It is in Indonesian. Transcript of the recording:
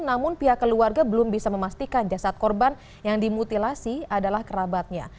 namun pihak keluarga belum bisa memastikan jasad korban yang dimutilasi adalah kerabatnya